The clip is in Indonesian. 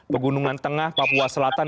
pegunungan tengah papua selatan